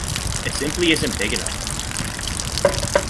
It simply isn't big enough.